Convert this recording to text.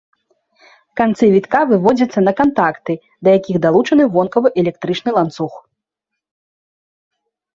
Канцы вітка выводзяцца на кантакты, да якіх далучаны вонкавы электрычны ланцуг.